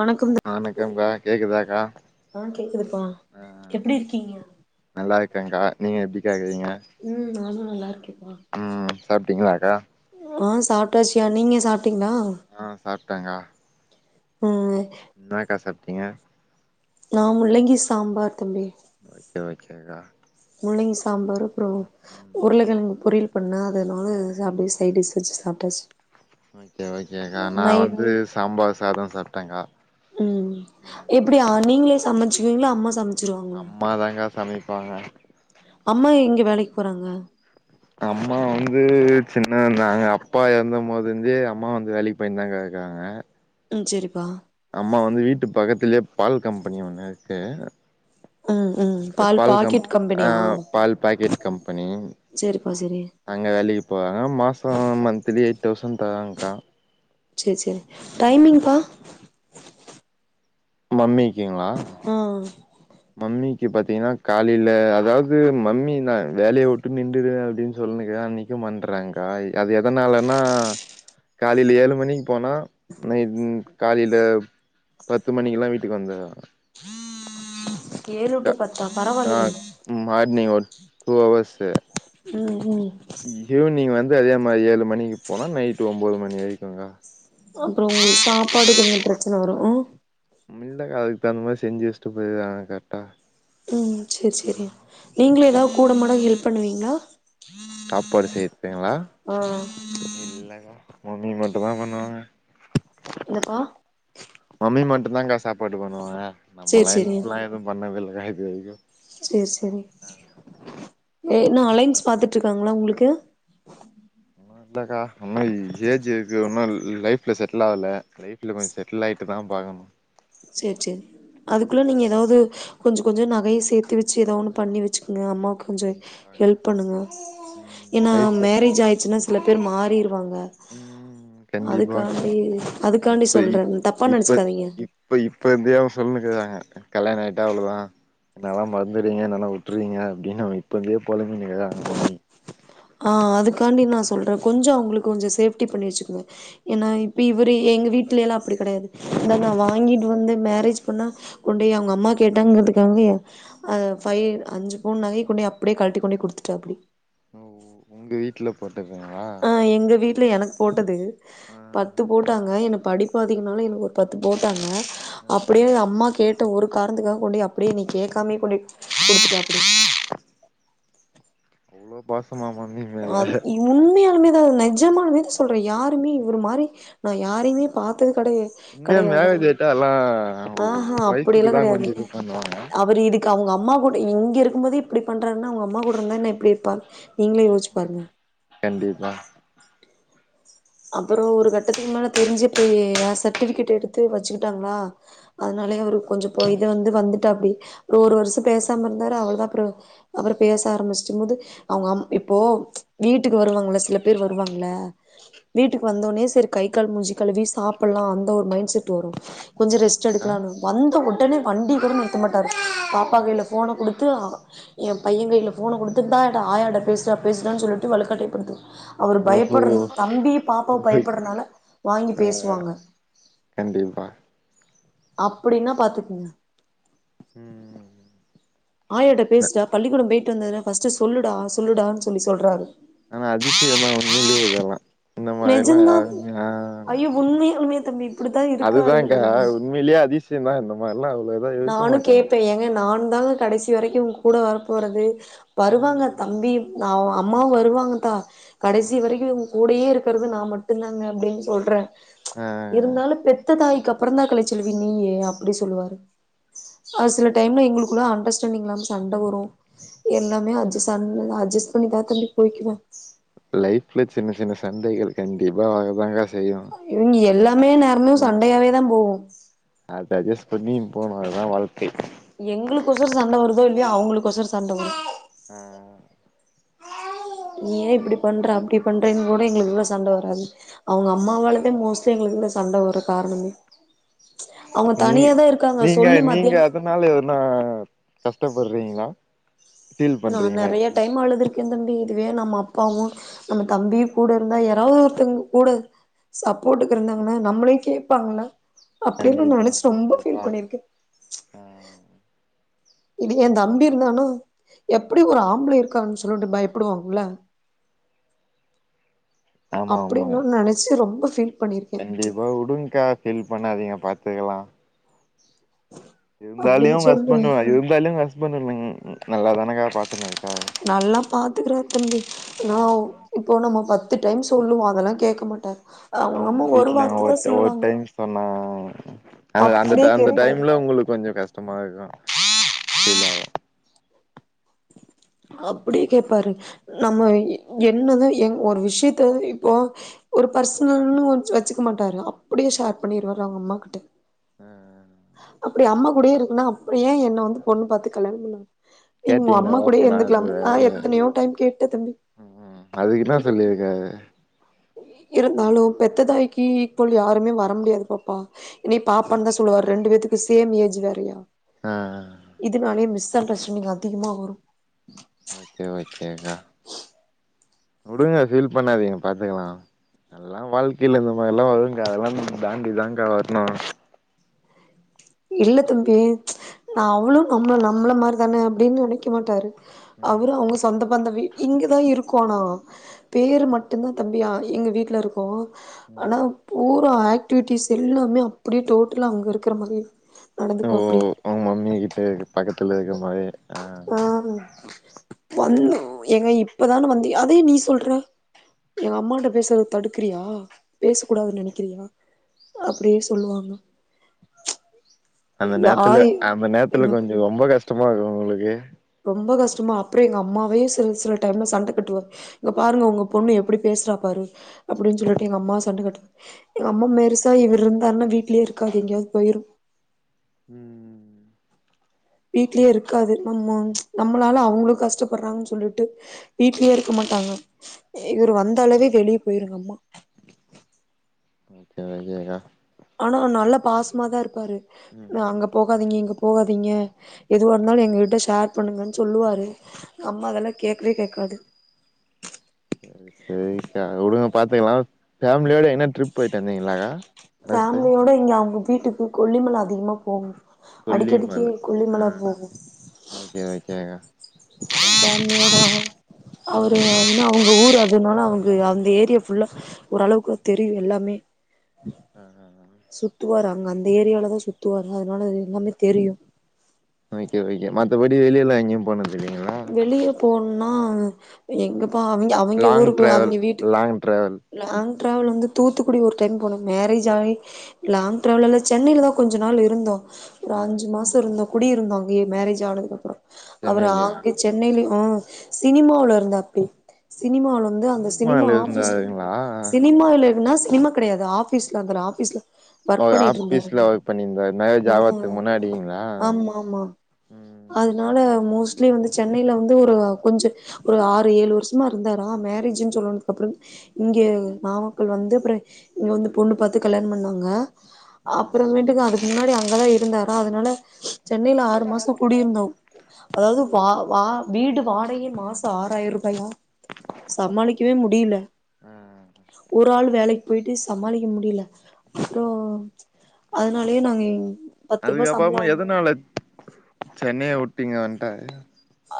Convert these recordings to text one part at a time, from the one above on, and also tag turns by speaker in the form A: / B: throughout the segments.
A: வணக்கம் தோ
B: வணக்கம்க் பாய் கேக்குதாக்கா
A: ஆ கேக்குதுப்பா எப்பிடி இருக்கீங்க
B: இருக்கேங்கா நீங்க எப்பிடிக்கா இருக்கீங்க
A: ம் நானு நல்லா இருக்கேப்பா
B: ஆ உம் சாப்டீங்களாக்கா
A: ஆ சாப்ட்டாச்சியா நீங்க சாப்ப
B: ஆ சாப்பிட்டேங்கா
A: உம்
B: என்னாக்கா சாப் ட்டீங்க
A: நா முள்ளங்கி சாம்பார் தம்பி
B: ஓக்கே ஓக்கேக்கா
A: முள்ளங்கி சாம்பார் அப்புரோ உருளைகிளங்கு பொரியல் பன்னாதனால அப்படியே சைடிஷ் வச்சு சாப்ட்டாச்சு
B: ஓகே ஓகேக்கா நா
A: நைட்
B: வந்து சாம்பார் சாதம் சாப் டேங்கா
A: உம் எப்டி ஆன் நீங்ளே சமச்சிவிங்ளா அம்மா சம்
B: அம்மாதாங்க சமைப் பாங்க
A: வேலைக் போறாங்க
B: அம்மா வந்து சின்னர்ந்தாங்க அப்பா எறந்த மோது இர்ந்தே அம்மா வந்து வேலிக் பேயின் தாகர்காங்க
A: ம் செரிப்பா
B: கே
A: ம் ம்
B: பால் கம்
A: பாக்கெட்
B: ஆ
A: கம்பெனியா
B: பால் பாக்கட் கம்பனி
A: செரிப்பா செரி
B: அங்க வேலிக்கு போவாங்க மாசோ மந்திலி தவ்சன் தராங்க்கா
A: சேர் சேர்
B: ம்
A: டைமிங்ப்பா
B: மம்மி கிங்ளா
A: ஆ
B: மம்மிக்கி பாத்திங்கன்னா காலில அதாது மம்மி நா வேலய உட்டு நின்டுடு அப்டின் சொல்னிக்க அனா நிக்க மாட்டறாங்க் கா அது எதனாலன்னா காலில ஏழு மணிக் போனா நைட் ன் காலில பத்து மணிக்குலாம் வீட்டுக் வந்துறா
A: ஏழு டு பத்தா
B: ஆ
A: பரவாலேயே
B: மார்னிங் ஒரு டூ அவர்ஸ்ஸு
A: உம் உம்
B: வந்து அதே மாறி ஏழு மணிக்கி போனா நைட்டு ஒம்போது மணி வரிக்கும்க்கா
A: அப்றோ உங்ளுக்கு சாப்பாடுக்கு கொஞ்சோ ப்ரச்சன வரு உ
B: இல்லக்கா அதுக்கு தகுந்த மாறி செஞ்சு வெஷ்ட்டு போய்ருவாங்க கரட்டா
A: உம் சேர் சேரி நீங்க எதா கூட மாட ஹெல்ப் பண்ணுவிங்ளா
B: சாப்பாடு சே கிங்களா இல்லங்க மம்மி மட்டுந்தா பண்ணுவாங்க
A: என்னப்பா
B: மம்மி மட்டுந்தா க்கா சாப்பாடு பண்ணுவாங்க
A: சேரி
B: நம்மளா ஹெல்ப்லா எது பண்ணதுல்ல இது வரிக்கு
A: சேர் சேரி ஏதுன்னா அலைன்ஸ் பாத்துட்ருக்காங்ளா உங்ளுக்கு
B: உன்னு இல்லக்கா உன்னு ஏஜ்ருக்கு உன்னு ல் லைஃப்ல செட்ல்லாகல லைஃப்ல கொஞ்சோ செட்ல் ஆயிட்டு தா பாக்கணு
A: சேர் சேரி
B: ம்
A: அதுக்குள்ள நீங்க எதாவுது கொஞ்சோ கொஞ்சோ நகயே சேத்தி வச்சி ஏதா ஒன்னு பண்ணி வச்சிக்குங்க அம்மாவ் கொஞ்சோ
B: கண்டிப்பாக்கா
A: ஹெல்ப் பண்ணுங்க
B: ம்
A: என்னா
B: லைஃப்ல
A: மேரேஜ் ஆயிச்சின்னா சில பேர் மாறிரூ வாங்க
B: ம் கண்டிப்பாக்கா
A: அதுக்காண்டி அதுக்காண்டி
B: இப்ப
A: சொல்றே நீங்க தப்பா நெனச்சிக்காதிங்க
B: இப்பருந்தையே அவுங்க சொல்லினுருக்குறாங்க கல்யாணாய்ட்டா அவ்ளோதா என்னல்லா மறந்துடுவீங்க என்னல்லா உட்ருவீங்க அப்டின்னு அவுங்க இப்பருந்தே பொலமிட்ருகாங்க மம்மி
A: ஆஹ் அதுக்காண்டி நா சொல்ற கொஞ்சோ அவுங்களுக்கு கொஞ்சோ சேஃப்டி பண்ணி வச்சுக்கோங்க ஏனா இப்ப இவுரு எங்க வீட்லெல்லா அப்டிதா கெடையாது நாம்ம வாங்கிட்டு வந்து மேரேஜ் பண்ணா கொண்டேய் அவுங்க அம்மா கேட்டாங்க பாத்துக்கோங்களே அ பைவ் அஞ்சு பவுண் நகய கொண்டோய் அப்டியே கழட்டி கொண்டோய் குடுத்துட்டாப்டி
B: ஓ உங்க வீட்டுல போ
A: அஹ் எங்க வீட்ல எனக்கு போட்டது பத்து போட்டாங்க என்ன படி பாத்தீங்கனாலு எனக்கு ஒரு பத்து போட்டாங்க அப்டியே அம்மா கேட் ட ஒரு காரணத்துக்காக கொண்டேய் அப்டியே நீ கேட்காமே கொண்டேய் கொடுத்துட்டாப்டி
B: இவ்ளோ பாஸ்
A: அ உண்மயாலுமே ஏ நெஜமாலுமே தா சொல்றே இப்ப யாருமே இவரு மாரி நா யாரையுமே பாத்த
B: இன்னே மேரேஜ்ய்ட்டா எல்லா
A: ஆஹ்ஹ
B: ஒய்ஃபுக்கு
A: அப்படியெல்லா
B: தா
A: கெடையாது
B: கொஞ்சோ இது பண்ணுவாங்க
A: அவர் இதுக்கு அவங்கம்மா ஆ கூட இங்க இருக்கும் போதே இப்டி பண்றாருன்னா உங்கம்மா கூட இருந்தா இன்னு எப்டி இருப்பாரு நீங்களே யோசிச்சு பாருங்க
B: கண்டிப்பா
A: அப்பறோ ஒரு கட்டத்துக்கு மேல தெரிஞ்சிட்டு ஏ சர்ட்டிபிகேட் எடுத்து வச்சுக்கிட்டாங்களா அதனாலயே அவரு கொஞ்சோ இத வந்து வந்துட்டாப்டி அப்றோ ஒரு வருஷ பேசாம இருந்தாரு அவருதா அப்புற அப்றோ பேச ஆரம்பிச்சிட்டம் போது அவங்க அம் இப்போ ச்சு வீட்டுக்கு வருவாங்கள சில பேர் வருவாங்கல்ல வீட்டுக்கு வந்தோட்னே செரி கை கால் மூஞ்சி கழுவி சாப்பிட்லா அந்த ஒரு மைண்ட் செட் வரும் கொஞ்சோ ரெஸ்ட்
B: ஆமாக்கா
A: எடுக்கலான்னு வந்த ஒட ஒடனே வண்டிகூட நிருத்த மாட்டாரு பாப்பா
B: ம்
A: கையில ஃபோன குடுத்து ஏ பைய கைய்ல ஃபோன கொடுத்துட்டா ஆயாட்ட பேசுடா பேசுடான்னு சொல்லிட்டு வழுக்கட்டாயபடுத்துவா அவரு
B: ஓஹோ
A: பயப்படுறது தம்பி பாப்பாவ் பயப்படுறனால வாங்கி
B: ஆ
A: பேசுவாங்க
B: கண்டிப்பா
A: அப்படின்னா பாத்துக்கங்க
B: உம் உம் உம்
A: ஆயாட்ட பேசிட்டா பள்ளிக்கூடம் போய் ட்டு வந்தனே சொல்லுடா சொல்லுடான்னு சொல்லி சொல்றாரு
B: ஆனா அதிசய தான் உண்மையிலேயே இதயெல்லா
A: நெஜந்தா ஐயோ உண்மைகள் மீது தம்பி இப்டித்தா இருக்காரு
B: அதுதான்கா உண்மையிலேயே அதி பூச்சியிருந்த என்ன மா
A: நானும் கே்பேன் ஏங்க நானும் அதால கடைசி வரைக்கும் உங்க கூட வர போறது வருவாங்க தம்பி அவோ அம்மாவும் வருவாங்க தா
B: ம்
A: கடைசி வரைக்கும். கூடயே இருக்கிறது நான் மட்டும்தாங்க அப்படின்னு சொல்றேன்.
B: ஆ
A: இருந்தாலும் பெத்ததாய் அதுக்கு அப்புறம் தான் கலைச்செல்வி நீயி அப்படி சொல்லுவாரு. அ சில டைம்ல எங்களுக்குள்ள அண்டர்ஸ்டாண்டிங் இல்லாம சண்டை வரும் எல்லாமே அஜ் [inaudible] அட்ஜஸ் பண்ணிதான் தம்பி போயக்கனு.
B: லைஃப்ல சின்ன சின்ன சந்தைகள் கண்டிப்பா ஆகும்தாங்க.
A: இவிங்க எல்லாமே நேரனும்
B: ம்
A: சண்டையாவே தான் போவும்.
B: வெளிய போனால்தான் வாழ்க்கை.
A: எங்களுக் கொசர்சண்ட வருதோ இல்லையா அவங்களுக்கொசர் சண்ட வரும்.
B: ஆ
A: நீ ஏன் இப்படி பண்ற அப்படி பண்றேன்னு கூட எங்களுக்குள்ள சண்டை வராது அவங்க அம்மாவாலதான் மோஸ்ட்லி எங்களுக்குள்ள சண்டை வரும் காரணமே அவங்க த
B: நீ நீங்க நீங்க அதனால எதுனா கஷ்டப்படுறீங்களா? ஃபீல்
A: நான்
B: பண்றீங்களா
A: நிறைய டைம் அழுதுருக் என்தம்பி இதுவே நம்ம அப்பாவும் நம்ம தம்பியும் கூட இருந்தா யாராவது ஒருத்தவங்க கூட சப்போர்ட்டுக்கு இருந்தாங்கன்னா நம்மளையும் கேட்பாங்கள்ல. அப்படின்னு
B: கண்டிப்பா
A: நினைச்சு ரொம்ப
B: கண்டிப்பா
A: ஃபீல் பண்ணிருக்கேன்.
B: ஆ
A: இதுவே என் தம்பி இருந்தானா எப்படி ஒரு ஆம்பளை இருக்காங்கன்னு சொல்லிட்டு பயப்படுவாங்கள்ல.
B: ஆமா ஆமா
A: அப்படின்ல்லாம் நினைச்சு ரொம்ப ஃபீல் பண்ணிருக்கே
B: கண்டிப்பா உடுங்க்கா பண்ணாதீங்க பார்த்துக்கலாம் இருந்தாலயும்
A: அப்டின்னு
B: உங்க
A: சொல்லுவ
B: ஹஸ்பண்ட் இருந்தாலையும் உங்க ஹஸ்பண்ட் நல்லாதானுங்க பார்தினு
A: நல்லா பார்த்துக்குறாரு தம்பி
B: ஆ
A: நான் இப்போ [unintelligible] பார் டைம் சொல்லுவோம் அதெல்லாம் கேட்க மாட்டார்.
B: அவுங்க வீட்டுல ஒரு -ஒரு டைம் சொன்னா
A: அப்படியே
B: அந்த
A: கேட்பாரு
B: டைம்ல உங்களுக்கு கொஞ்சம் கஷ்டமா இருக்கும். இல்ல [unintelligible]
A: அப்டியே கேப்பாரு நம்ம
B: ம்
A: இங்க என்னதான் ஒரு விஷயத்த இப்போ ஒரு பர்சனல்னு வச் வச்சுக்க மாட்டாரு அப்படியே ஷேர் பண்ணிருவாரு அவங்க அம்மா கிட்ட
B: ஆ
A: அப்படி அம்மா கூடே இருக்குன்னா அப்படியே என்ன வந்து பொண்ணு பாத்து கல்யாணம் பண்ணாரு
B: கேட்டீங்கல்லா ஓப்பனா அது உ
A: எத்தனையோ டைம் கேட்டேன் தம்பி
B: உம் அதுக்கு என்ன சொல்லியிருக்காரு
A: இ இருந்தாலும் பெத்ததாய்க்கி இஃகுவல் யாருமே வர முடியாது பாப்பா என்னைய பாப்பான்னு தான் சொல்லுவாரு ரெண்டு பே்த்தக்கு சேம் ஏஜ் வேறையா
B: ஆ
A: இதனாலே மிஸ் இத பிரச்சனைங்க அதிகமா வரும்
B: ஓகே ஓகே க்கா விடுங்க பீல் பண்ணாதீங்க பாத்துக்கலாம் எல்லா வாழ்க்கையில இந்த மாரிலாம் வரும்க்கா அதெல்லா தாண்டி தாங்க்கா வரணும்
A: இல்ல தம்பி ச்சு நான் அவளும் நம்மள நம்மள மாரிதானே அப்படின்னு நினைக்க மாட்டாரு
B: ம்
A: அவரு அவங்க சொந்த பந்த வீட் இங்க தான் இருக்கோண்ணா பேர் மட்டும் தான் தம்பியா ஆ எங்க வீட்டில இருக்கோ
B: ம்
A: ஆனாப் பூ போ ஆக்டிவிட்டிஸ் எல்லாமே அப்படியே டோட்டலாக அங்க இருக்கிற மாரி நடந்து போ
B: ஓ
A: அப்டியே
B: உங்க மம்மி கிட்ட பக்கத்துல இருக்குற மாரி ஆ
A: ஆஹ் வந்து எங்க இப்பதானே வந்து அது எயா நீ சொல்ற எங்க அம்மாகிட்ட பேசுறது தடுக்குறியா பேச கூடாதுன்னு நெனைக்கிறியா அப்டியே சொல்லுவாங்க
B: அந்த நேரத்துல
A: யாய்
B: அந்த நேரத்துல
A: என்ன
B: கொஞ்சோ ரொம்ப கஷ்டமா இருக்கோ உங்களுக்கு
A: ரொம்ப கஷ்டமா அப்டியே எங்க அம்மாவே சில சில டைம்ல சண்ட கட்டுவார் இங்க பாருங்க உங்க பொண்ணு எப்டி பேசுறா பாரு அப்டின்னு சொல்லிட்டு எங்க அம்மாவ சண்ட கட்டுவா எங்க அம்மா பெருசா இவர் இருந்தாருன்னா வீட்லயே இருக்காது எங்கேயாவது போயிரு
B: உம்
A: வீட்லயே இருக்காது நம்ம நம்மளால அவுங்களு கஷ்டப்பட்றாங்கன்னு சொல்லிட்டு வீட்லயே இருக்க மாட்டாங்க இவர் வந்தாலுவே வெளிய போயிரு எங்க அம்மா
B: ஓகே ஓகே கா
A: பாஸ்மா தா இருப் பாரு
B: ம்
A: அங்க போகாதீங்க இங்க போகாதீங்க எதுவாக இருந்தாலு எங்ககிட்ட ஷேர் பண்ணுங்கன்னு சொல்லுவாரு அம்மா அதெல்லா கேக்கவே கேட்க்காது
B: சேரி சேரிக்கா விடுங்க பாத்துக்கலாம் ஃபேமிலியோட என்ன ட்ரிப் போயிட்டு வந்தீங்களாக்கா லாஸ்ட் டைம்
A: ஃபேமிலியோட இங்க அவுங்க வீட்டுக்கு கொல்லிமல அதிகமாக போவோ அடிக்கடிக்கு
B: கொல்லிமலை
A: கொல்லிமல
B: ஆஹ்
A: போவோ
B: ஓகே ஓகே கா
A: ஃபேமிலியோட அவரு என்னா ஒன் ஊர் அதுனால அவுங்க அந்த ஏர் கே ஃபுல்லா ஓரளவுக்கு தெரியோ எல்லாமே
B: ஆஹ் ஆஹ்ஹ
A: அவுங்க அந்த ஏரியாலதா சுத்துவார அதனால எல்லாமே தெரியு
B: ஓகே ஓகே மத்தபடி வெளியெல்லா எங்கேயு போனதில்ல இல்லைங்களா
A: ஆஹ எங்கப் அப்ப அவிங்க அவிங்க
B: லாங்
A: ஊருக்கு
B: டிராவல்
A: அவிங்க வீட்டக்கு
B: லாங் டிராவல்
A: நாங்க ட்ராவல் வந்து தூத்துக்குடி ஒரு டைம் போனோ மேரேஜ் ஆயி லாங் ட்ராவல் எல்லா சென்னையில தா கொஞ்ச நாள் இருந்தோம் ஒரு
B: ஆ
A: அஞ்சு மாசோ இருந்தோ குடியிருந்தோ அங்கேயே மேரேஜ் ஆனதுக்கப்புறோ
B: சென்னைலயா
A: சென்னைலயு சினிமாவுல இருந்தாப்புடி சினிமாவுல வந்து அந்த
B: சினிமால
A: சினிமா ஆபிஸ்ல
B: இருந்தாருங்களா
A: சினிமாவுலன்னா சினிமா கெடையாது ஆபிஸ் பிசல திரா ஆபீஸ்ல ஒர்க்
B: உங்க
A: பண்ணிட்டு இருந்தாரு
B: ஆபீஸ்ல ஒர்க் பண்ணியிருந்தா மேரேஜ் ஆவதுக்கு
A: ம்
B: முன்னாடிங்களா
A: ஆமா ஆமா
B: ம் ஓகே
A: ட்லீ வந்து சென்னையில வந்து ஒரு கொஞ்ச ஒரு ஆறு ஏழு வருஷமா இருந்தாரா மேரேஜுன்னு சொல்லனதுக்கப்பற இங்கே நாமக்கல் வந்து அப்பற இங்க வந்து பொண்ணு பாத்து கல்யாண பண்ணாங்க
B: ஆ
A: அப்புறமேட்டுக்கா அதுப் முன்னாடி அங்கதா இருந்தாரா அதனால சென்னையில ஆறு மாச குடியிருந்தோம் அதாவது வா வா வீடு வாடகயே மாச ஆறாயிரூபாய சமாளிக்கவே முடியில
B: ஆ
A: ஒரு ஆள் வேலைக் போய்ட்டு சமாளிக்க முடியல அப்றோ அதனாலயே நாங்க இங் பத்து ரூபா சம்பள
B: அதுக்கப்புறமா
A: ஆணு
B: டு இங்கவன்ட்டாயா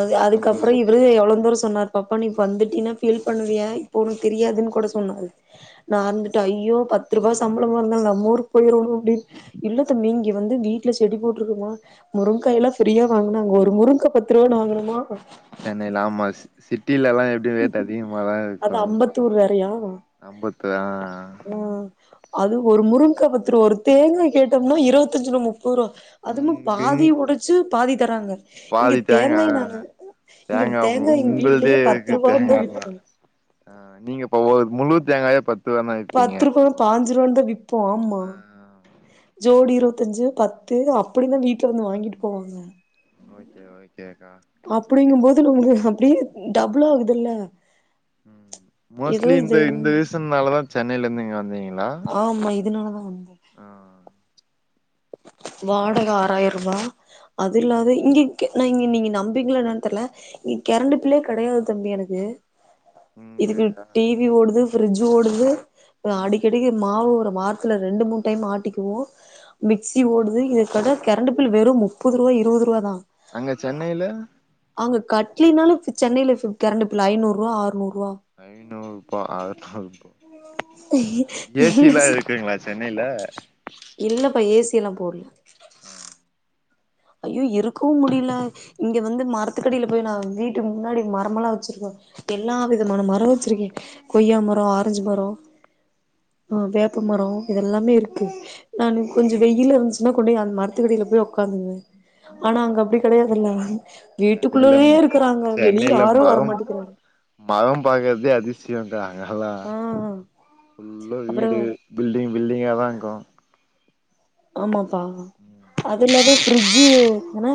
A: அது அதுக்கப்பற இவரு எவ்வளோந்தோர ஸ் சொன்னார் பாப்பா நீ வந்துட்டீனா பீல் பண்ணுவிய இப்ப ஒனுக்கு தெரியாதுன்னு கூட சொன்னாரு நா வந்துட்டு ஐயோ பத்து ரூபா சம்பளமா இருந்தாலு நம்மஊருக்கு போயிரனு அப்டினுட இல்ல தம்பி இங்க வந்து வீட்ல செடி போட்டருக்குமா முருங்காயல்லா பிரீயா வங்கனாக ஒரு முருங்கா பத் திருவண வாங்கணோமா
B: சென்னைல ஆமா சி சிட் டில எல்லா எப்டி ரேட்டு அதிகமாதா இருக்கு
A: அது அம்பத்தூர் வேறையா
B: அம்பத்தா
A: ம் அது ஒரு முருங்கா பத்தூரூவா ஒரு தேங்கா கேட்டோம்னா இருபத்தஞ்சுல முப் பரோ அதுவு
B: இங்க இங்
A: பாதி ஒடைச்சு பாதி தராங்க இங்க
B: பாதி தேங்கா
A: தேங்காய் நாங்க இங்க
B: தேங்கா
A: எங்க
B: உங்களுதே
A: வீட்லயே
B: இருக்கு
A: [unintelligible]
B: ஹ நீங்க இப்ப முழு தேங்காயா பத்
A: பத்துருக்கோ பா. அஞ்சுரூவானு விப் போ ஆமா
B: ஆ
A: ஜோடி இருவத்தஞ்சு பத்து அப்படிதா வீட்டுலருந்து வாங்கிட்டு போவாங்க
B: ஓகே ஓகே ஓக்கேக்கா
A: து உங்களு அப்படியே டபுள் ஆகுதுல்ல
B: உம்
A: ஏதோ
B: மோஸ்ட்லி இந்த
A: இது
B: இந்த ரீசன்னாலதா சென்னையிலருந்துங்க இங்க வந்தீங்களா
A: ஆமா இதனாலதா
B: ஆஹ்
A: வாடகை ஆறாரூபா அது இல்லாது இங்க நா இங்க நீங்க நம்பீங்களே என்னன்னு தெரில இங்க கரண்டு பிள்ளே கெடையாது தம்பி எனக்கு இதுக்கு
B: இங்கயா
A: டிவி ஓடுது ஃப்ரிட்ஜு ஓடுது றா
B: ம்
A: அடிக்கடிக்கு மாவு ஒரு வாரத்துல ரெண்டு மூணு டைம் ஆட்டிக்குவோ மிக்ஸி ஓடுது இதுக்கட கெரண்டு ஃபில் வெறும் முப்பது ரூவா இருபது ரூவாதா
B: அங்க சென்னையில
A: அங்க கட்லினாலு சென்னையில ஃப்ப கரண்ட் பில்லு ஐநூறுவா ஆறுநூறு ரூவா
B: ஐநூறுபா அறுநூறுபா ஏ சி
A: இல்ல
B: ல்லா இருக்குங்களா சென்னையில
A: இல்லப்பா ஏ சி எல்லா போடல
B: ஆஹ்
A: ஐயோ இருக்கவு முடியல இங்க வந்து மரத்துக்கடியில போய் நா வீட்டுக்கு முன்னாடி மரமெல்லா வச்சிருக்க எல்லா விதமான மரொ வச்சிருக்கே கொய்யா மரொ ஆரஞ்சு மரொ ஆஹ் வேப்ப மரொ இதெல்லாமே இருக்கு நானு கொஞ்சொ வெயில் இருந்துச்சுன்னா கொண்டி அந்த மரத்துக்கடியில போய் உக்காந்துக்குவே ஆனா அங்க அப்படி கெடையாதுல்ல
B: சென்னையில
A: வீட்டுக்குள்ளயே இருக்கறாங்க வெளிய
B: சென்னையில
A: யாரு
B: மரொம்
A: வரமாட்டேக்கிறாங்க
B: மரொம் பாக்கறதே அதி ச்யம் த அங்கெல்லா
A: ஆ
B: ஃபுல்லா
A: அப்புறோ
B: வீடு பில்டிங் பில்டிங் டிங்யாதா இருக்கு
A: ஆமாப் பா அதுலது பிரிட்ஜு என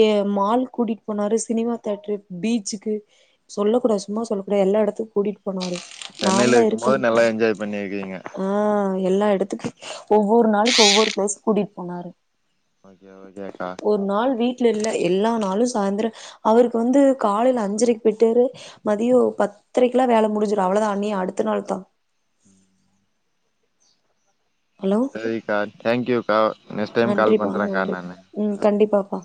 A: ஏ மால் கூட்டிட்டு போனாரு சினிமா தேட்ரு பீச்சுக்கு சொல்லக்கூடாது சும்மா சொல்லக்கூடாது எல்லா எடத்துக் கூட்டிட்டு போனாரு
B: சென்னையில
A: நான்தா
B: இருக்கும் போது
A: இருக்கம்
B: நல்லா என்ஜாய் பண்ணிருக்கீங்க
A: ஆ எல்லா எடத்துக்கு ஒவ்வொரு நாளைக்கு ஒவ்வொரு ஃப்ளேஸ் கூட்டிட் போனாரு
B: ஓகே ஓகேகா
A: ஒரு நாள் வீட்ல இல்ல எல்லா நாளு சாயந்திர அவருக்கு வந்து காலைல அஞ்சரைக்கு போய்ட்டரு மதியொ பத்தரைக்குலா வேல முடிஞ்சிடு அவ்வளேதா அநி அடுத்த நாள்தா
B: ம்
A: ஹலோ
B: சரிக்கா தேங்க்யூக்கா நெஸ்ட் டைம் கால்
A: நன்றிப்பா
B: பண்றேகா
A: நன்றி
B: நானு
A: ம் கண்டிப்பாப்பா